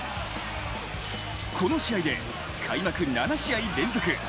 この試合で開幕７試合連続３０